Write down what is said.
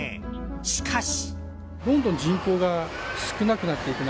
しかし。